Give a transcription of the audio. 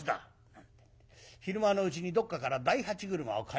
昼間のうちにどっかから大八車を借りてくる。